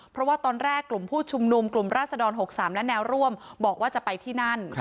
เพราะว่าตอนแรกกลุ่มผู้ชุมนุมกลุ่มราศดร๖๓และแนวร่วมบอกว่าจะไปที่นั่น